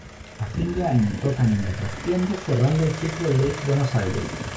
A fin de año tocan en La Trastienda cerrando el ciclo Late Buenos Aires.